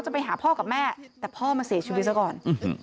ไปหาพ่อกับแม่แต่พ่อมาเสียชีวิตซะก่อน